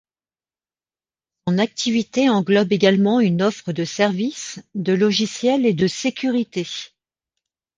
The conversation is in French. Son activité englobe également une offre de services, de logiciels et de sécurité.